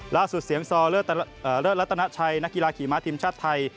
เสียงซอเลิศรัตนาชัยนักกีฬาขี่ม้าทีมชาติไทย